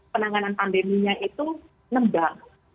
penanganan pandeminya itu nembak